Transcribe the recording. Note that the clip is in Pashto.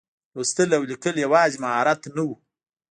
لوستل او لیکل یوازې مهارت نه و.